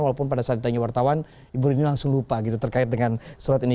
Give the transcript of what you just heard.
walaupun pada saat ditanya wartawan ibu rini langsung lupa gitu terkait dengan surat ini